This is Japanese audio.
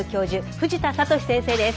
藤田聡先生です。